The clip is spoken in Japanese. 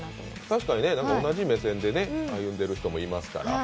確かにね、同じ目線で歩んでる人もいますから。